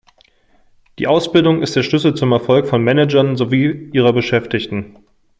Die Ausbildung ist der Schlüssel zum Erfolg von Managern sowie ihrer Beschäftigten.